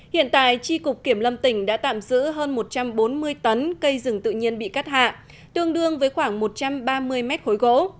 hiện tại tri cục kiểm lâm tỉnh đã tạm giữ hơn một trăm bốn mươi tấn cây rừng tự nhiên bị cắt hạ tương đương với khoảng một trăm ba mươi mét khối gỗ